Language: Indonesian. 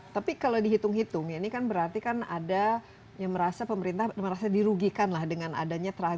tapi kalau dihitung hitung ini kan berarti kan ada yang merasa pemerintah merasa dirugikan lah dengan adanya transaksi